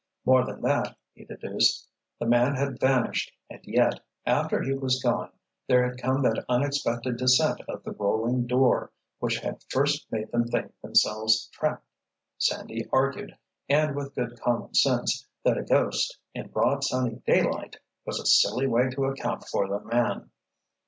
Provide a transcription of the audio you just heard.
More than that, he deduced, the man had vanished and yet, after he was gone, there had come that unexpected descent of the rolling door which had first made them think themselves trapped. Sandy argued, and with good common sense, that a ghost, in broad sunny daylight, was a silly way to account for the man.